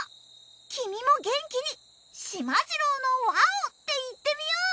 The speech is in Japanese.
君も元気に『しまじろうのわお！』って言ってみよう！